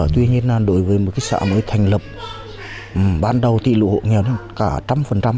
tuy nhiên đối với xã mới thành lập ban đầu tỷ lệ hộ nghèo lên đến cả một trăm linh